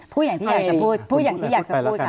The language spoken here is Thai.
พูดอย่างที่อยากจะพูดพูดอย่างที่อยากจะพูด